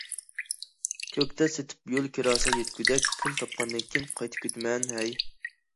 كۆكتات سېتىپ يول كىراسىغا يەتكۈدەك پۇل تاپقاندىن كېيىن قايتىپ كېتىمەن، ھەي!...